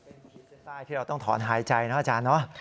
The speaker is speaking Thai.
ขีดเส้นใต้ที่เราต้องถอนหายใจนะอาจารย์เนอะ